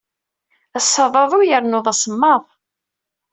Ass-a, d aḍu yernu d asemmaḍ.